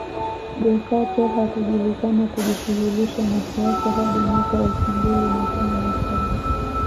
Jokate hakujulikana kujishughulisha na siasa hadi mwaka elfu mbili na kumi na saba